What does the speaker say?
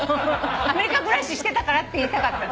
アメリカ暮らししてたからって言いたかった。